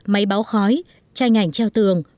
máy báo khói tranh ảnh treo tường